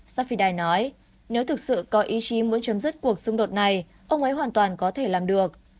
safidai nói nếu thực sự có ý chí muốn chấm dứt cuộc xung đột này ông ấy hoàn toàn có thể làm được